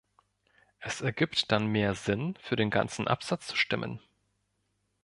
Es ergibt dann mehr Sinn, für den ganzen Absatz zu stimmen.